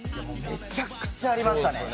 めちゃくちゃありましたね。